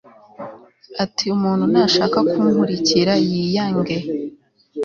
ati Umuntu nashaka kunkurikira yiyange